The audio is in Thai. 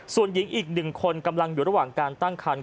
ส่วนหญิงอีก๑คนกำลังอยู่ระหว่างการตั้งคัน